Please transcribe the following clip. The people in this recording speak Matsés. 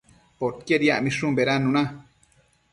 Poquied yacmishun bedannuna